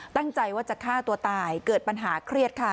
ตั้งใจว่าจะฆ่าตัวตายเกิดปัญหาเครียดค่ะ